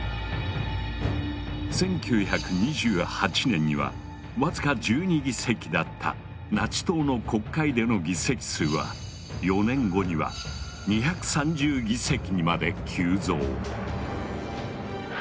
１９２８年には僅か１２議席だったナチ党の国会での議席数は４年後には２３０議席にまで急増。